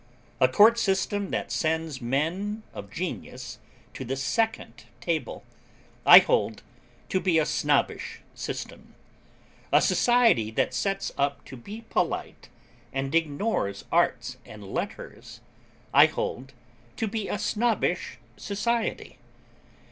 A Court system that sends men of genius to the second table, I hold to be a Snobbish system. A society that sets up to be polite, and ignores Arts and Letters, I hold to be a Snobbish society.